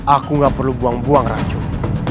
aku nggak perlu buang buang racun